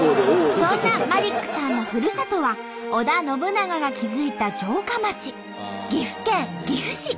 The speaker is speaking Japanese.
そんなマリックさんのふるさとは織田信長が築いた城下町岐阜県岐阜市。